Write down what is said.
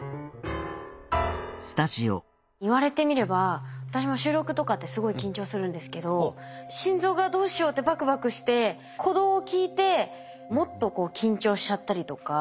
言われてみれば私も収録とかってすごい緊張するんですけど心臓がどうしようってバクバクして鼓動を聞いてもっと緊張しちゃったりとか。